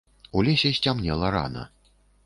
У лесе сцямнела рана.